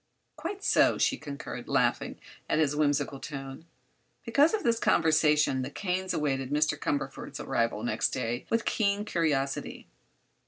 "Quite so," she concurred, laughing at his whimsical tone. Because of this conversation the Kanes awaited Mr. Cumberford's arrival next day with keen curiosity.